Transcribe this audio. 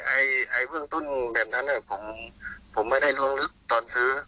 อศนิมาอมิวน์นี้คือเวืองต้นแบบนั้นผมไม่ได้ลวงลึกตอนซื้อ